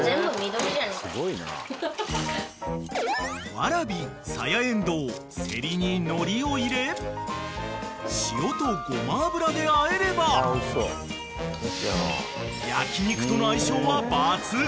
［ワラビサヤエンドウセリにのりを入れ塩とごま油であえれば焼き肉との相性は抜群］